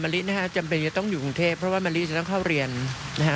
ลินะฮะจำเป็นจะต้องอยู่กรุงเทพเพราะว่ามะลิจะต้องเข้าเรียนนะฮะ